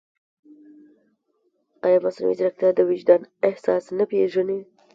ایا مصنوعي ځیرکتیا د وجدان احساس نه پېژني؟